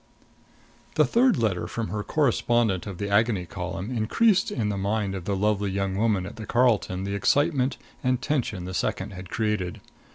The third letter from her correspondent of the Agony Column increased in the mind of the lovely young woman at the Carlton the excitement and tension the second had created.